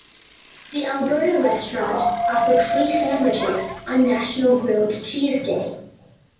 The Alberta restaurant offered free sandwiches on National Grilled Cheese Day.